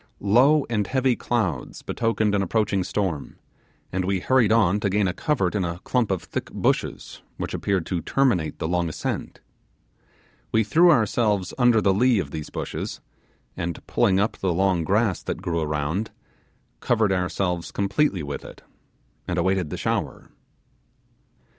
Low and heavy clouds betokened an approaching storm, and we hurried on to gain a covert in a clump of thick bushes, which appeared to terminate the long ascent. We threw ourselves under the lee of these bushes, and pulling up the long grass that grew around, covered ourselves completely with it, and awaited the shower.